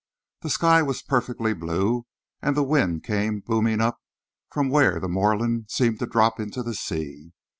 The sky was perfectly blue, and the wind came booming up from where the moorland seemed to drop into the sea.